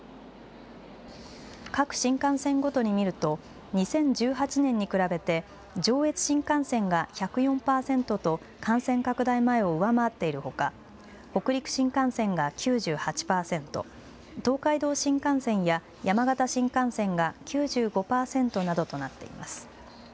各新幹線ごとに見ると２０１８年に比べて上越新幹線が１０４％と感染拡大前を上回っているほか北陸新幹線が９８％、東海道新幹線や山形新幹線が９５％などとなっています。